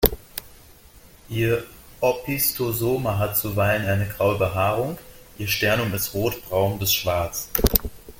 Ihr Opisthosoma hat zuweilen eine graue Behaarung, ihr Sternum ist rotbraun bis schwarz.